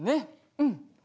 うん。